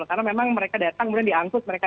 karena memang mereka datang kemudian diangkut mereka